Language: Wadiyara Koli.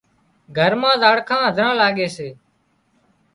گھر مان زاڙکان هڌران لاڳي سي